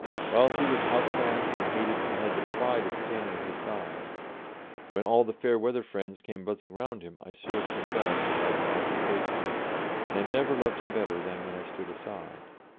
While he was outcast and hated I had the pride of standing at his side; when all the fair weather friends came buzzing round him I served him best by self effacement, and I never loved him better than when I stood aside.